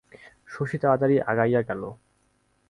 শশী তাড়াতাড়ি আগাইয়া গেল।